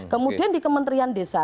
kemudian di kementerian desa